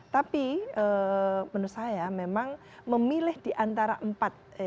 tapi menurut saya memang memilih di antara empat